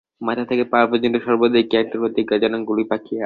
মাথা থেকে পা পর্যন্ত সর্বদাই কী একটা প্রতিজ্ঞা যেন গুলি পাকিয়ে আছে।